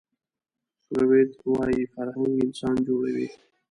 فروید وايي فرهنګ انسان جوړوي